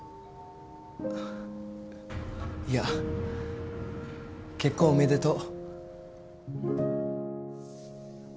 いや結婚おめでとう。